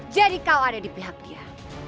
jadi kau ada di pihak dia